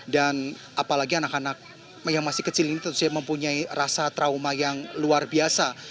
dan apalagi anak anak yang masih kecil ini tentu saja mempunyai rasa trauma yang luar biasa